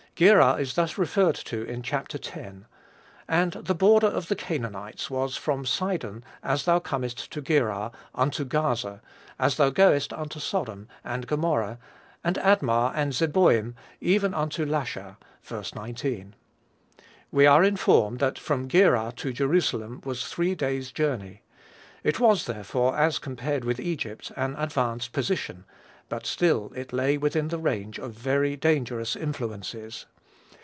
Gerar is thus referred to in Chap. x.: "And the border of the Canaanites was from Sidon, as thou comest to Gerar, unto Gaza: as thou goest unto Sodom, and Gomorrah, and Admah, and Zeboim, even unto Lasha." (Ver. 19.) We are informed that "from Gerar to Jerusalem was three days' journey." It was, therefore, as compared with Egypt, an advanced position; but still it lay within the range of very dangerous influences.